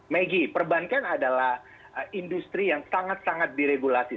maggie perbankan adalah industri yang sangat sangat diregulasi